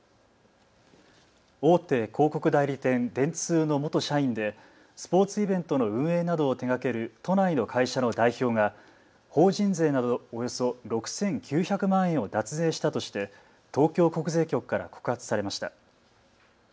大手広告代理店、電通の元社員でスポーツイベントの運営などを手がける都内の会社の代表が法人税などおよそ６９００万円を脱税したとして東京国税局から告発されました。